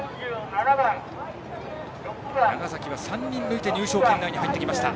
長崎は３人抜いて入賞圏内に入ってきた。